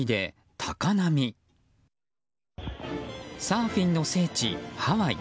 サーフィンの聖地、ハワイ。